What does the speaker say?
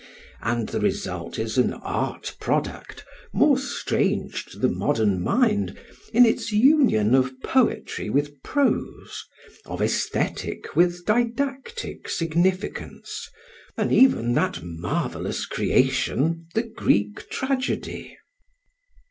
And the result is an art product more strange to the modern mind in its union of poetry with prose, of aesthetic with didactic significance, than even that marvellous creation, the Greek tragedy.